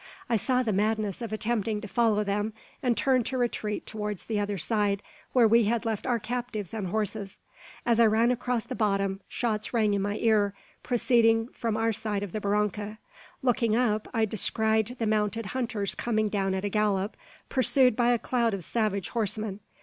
I saw the madness of attempting to follow them, and turned to retreat towards the other side, where we had left our captives and horses. As I ran across the bottom, shots rang in my ear, proceeding from our side of the barranca. Looking up, I descried the mounted hunters coming down at a gallop, pursued by a cloud of savage horsemen.